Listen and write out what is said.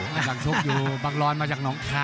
กำลังชกอยู่บังรอนมาจากน้องท้า